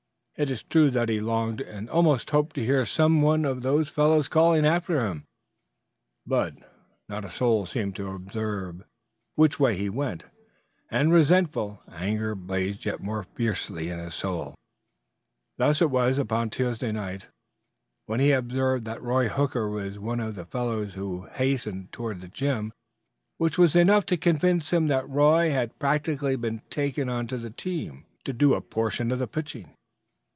It is true that he longed and almost hoped to hear some one of those fellows calling after him, but not a soul seemed to observe which way he went, and resentful anger blazed yet more fiercely in his soul. Thus it was upon Tuesday night, when he observed that Roy Hooker was one of the fellows who hastened toward the gym, which was enough to convince him that Roy had practically been taken onto the team to do a portion of the pitching.